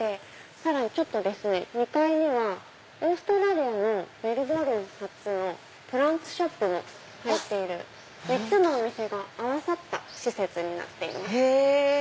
さらに２階にはオーストラリアのメルボルン発のプランツショップも入ってる３つのお店が合わさった施設になっています。